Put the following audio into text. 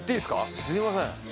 すいません。